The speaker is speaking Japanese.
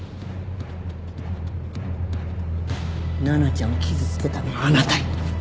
ななちゃんを傷つけたのはあなたよ。